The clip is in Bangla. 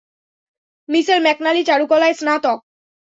মিশেল ম্যাকনালি, চারুকলায় স্নাতক।